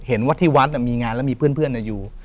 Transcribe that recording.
เห็นว่าที่วัดมีงานแล้วมีเพื่อนอยู่